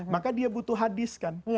maka dia butuh hadis kan